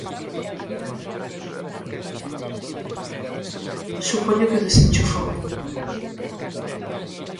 Supoño que o desenchufou.